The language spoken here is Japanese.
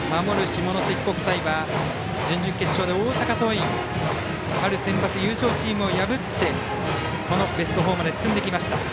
下関国際は準々決勝で大阪桐蔭春センバツ優勝チームを破ってこのベスト４まで進んできました。